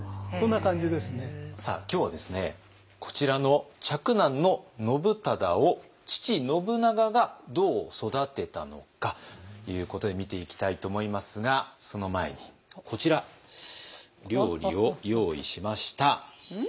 今日はですねこちらの嫡男の信忠を父信長がどう育てたのかということで見ていきたいと思いますがその前にこちら料理を用意しました。